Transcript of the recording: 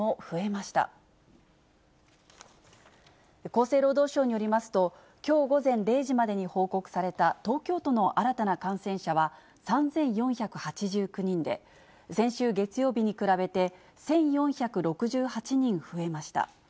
厚生労働省によりますと、きょう午前０時までに報告された東京都の新たな感染者は３４８９人で、先週月曜日に比べて、１４６８人増えました。